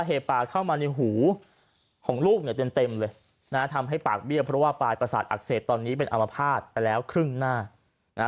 ปากเข้ามาในหูของลูกเนี่ยเต็มเต็มเลยนะฮะทำให้ปากเบี้ยเพราะว่าปลายประสาทอักเสบตอนนี้เป็นอมภาษณ์ไปแล้วครึ่งหน้านะฮะ